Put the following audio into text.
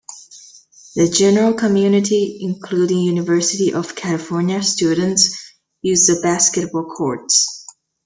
The general community, including University of California students, use the basketball courts.